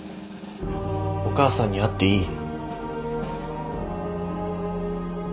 お母さんに会っていい？